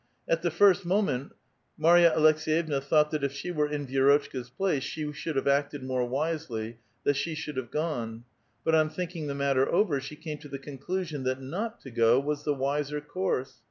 At the first moment Marya Aleks^yevna tiioiight tiiat if she were in Vi^rotchka's place she should have acted more wisely, that she should have gone ; but on tliinking the matter over, she came to the conclusion tliat not to go was the wiser course.